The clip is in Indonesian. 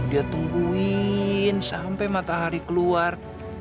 dia tungguin sampai matahari keluar